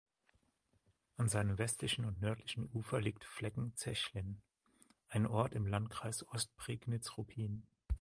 An seinem westlichen und nördlichen Ufer liegt Flecken Zechlin, ein Ort im Landkreis Ostprignitz-Ruppin.